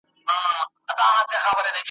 د خوبونو قافلې به دي لوټمه ,